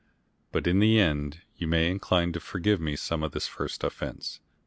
But in the end you may incline to forgive me some of this first offence....